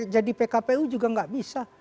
jadi pkpu juga tidak bisa